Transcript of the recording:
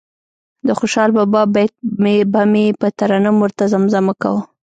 د خوشال بابا بیت به مې په ترنم ورته زمزمه کاوه.